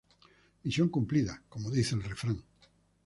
Misión cumplida, como dice el refrán.